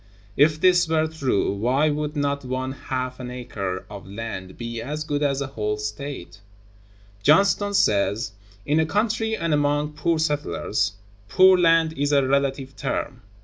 If this were true, why would not one half an acre of land be as good as a whole State? Johnston(133) says: "In a country and among poor settlers ... poor land is a relative term.